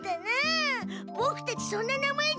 ボクたちそんな名前じゃないですよ。